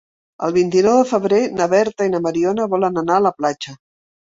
El vint-i-nou de febrer na Berta i na Mariona volen anar a la platja.